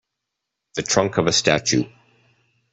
The trunk of a statue.